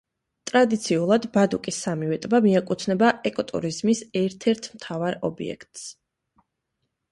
ტრადიციულად ბადუკის სამივე ტბა მიეკუთვნება ეკო ტურიზმის ერთ-ერთ მთავარ ობიექტს.